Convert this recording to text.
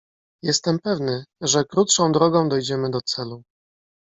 "Jestem pewny, że krótszą drogą dojdziemy do celu."